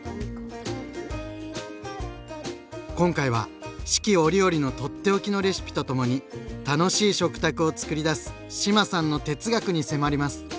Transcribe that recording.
今回は四季折々のとっておきのレシピとともに楽しい食卓をつくりだす志麻さんの哲学に迫ります！